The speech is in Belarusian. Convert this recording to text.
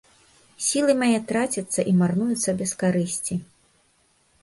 Сілы мае трацяцца і марнуюцца без карысці.